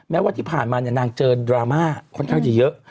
แม้วันที่ผ่านมานางเจอดราม่าค่อนข้างจะเยอะ